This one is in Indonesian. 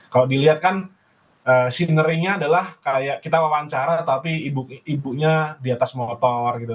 kalau dilihat kan sineringnya adalah kayak kita wawancara tapi ibunya di atas motor gitu